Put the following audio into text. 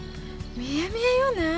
見え見えよねぇ？